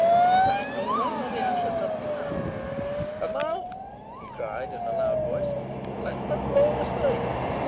in fact, ower a' the Assheton clan. And now," he cried in a loud voice, "let them blaw the strake."